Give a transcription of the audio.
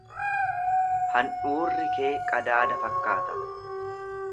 Handhuurri kee qadaada fakkaata.